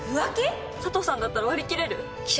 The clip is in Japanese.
佐藤さんだったら割り切れる？